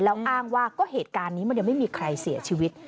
แล้วอ้างว่าก็เหตุการณ์นี้มันยังไม่มีใครเสียชีวิต